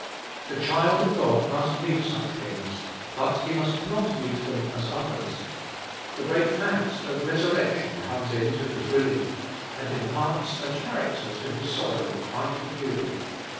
The child of God must meet such things; but he must not meet them as others. The great fact of resurrection comes in to his relief, and imparts a character to his sorrow quite peculiar.